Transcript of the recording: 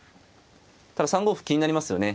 ただ３五歩気になりますよね。